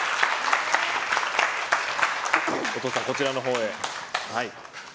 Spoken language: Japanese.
お父さん、こちらのほうへ。